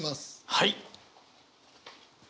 はい。